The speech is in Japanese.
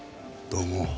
どうも。